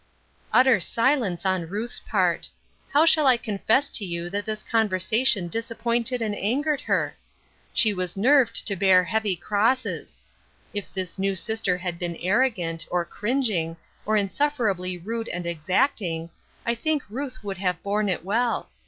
Utter sileace on Ruth's part. How sha]l I tx>nfess to you that this conversation disappointed and angered her ? She was nerved to bear heavy crosses. If this new sister had been arrogant, or cringing, or insufferably rude and exacting, 1 think Ruth would have borne it well.